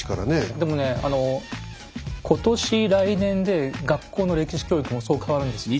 でもね今年来年で学校の歴史教育もそう変わるんですよ。